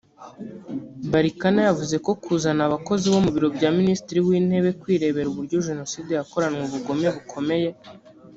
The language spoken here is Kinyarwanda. Barikana yavuze ko kuzana abakozi bo mu biro bya Minisitiri w’Intebe kwirebera uburyo Jenoside yakoranwe ubugome bukomeye